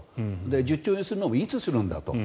１０兆円にするのもいつするんだと。